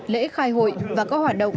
lễ khai hội và các hoạt động